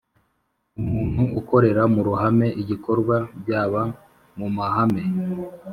Umuntu ukorera mu ruhame igikorwa byaba mumahame